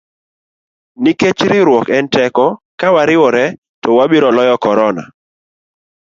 Nikech riwruok en teko, kawariwore to wabiro loyo korona.